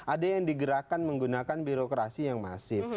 ada yang digerakkan menggunakan birokrasi yang masif